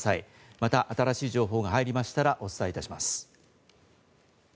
また新しい情報が入りましたらお伝えいたします。